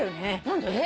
何で？